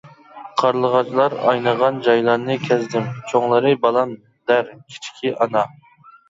قارلىغاچلار ئاينىغان جايلارنى كەزدىم، چوڭلىرى بالام دەر، كىچىكى ئانا.